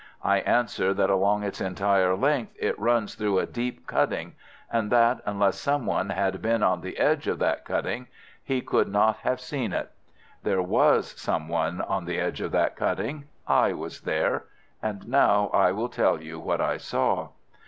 I answer that along its entire length it runs through a deep cutting, and that, unless some one had been on the edge of that cutting, he could not have seen it. There was some one on the edge of that cutting. I was there. And now I will tell you what I saw.